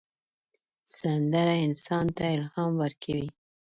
سندره انسان ته الهام ورکوي